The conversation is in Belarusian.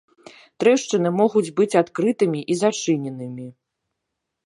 Трэшчыны могуць быць адкрытымі і зачыненымі.